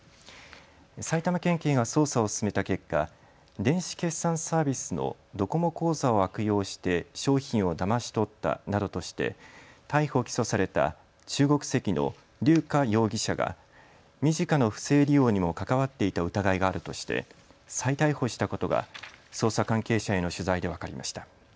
埼玉県警が捜査を進めた結果、電子決済サービスのドコモ口座を悪用して商品をだまし取ったなどとして逮捕・起訴された中国籍の劉佳容疑者がｍｉｊｉｃａの不正利用にも関わっていた疑いがあるとして再逮捕したことが捜査関係者への取材で分かりました。